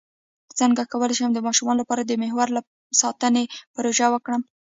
څنګه کولی شم د ماشومانو لپاره د ماحول ساتنې پروژې وکړم